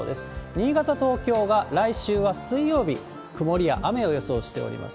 新潟、東京は来週は水曜日、曇りや雨を予想しております。